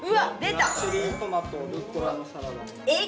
チェリートマトルッコラのサラダ。